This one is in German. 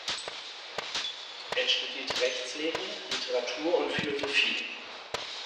Er studierte Rechtslehre, Literatur und Philosophie.